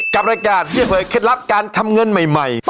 กับรายการเรียกเผยเคล็ดลับการทำเงินใหม่